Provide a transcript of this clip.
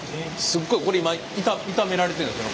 これ今炒められてるんですか？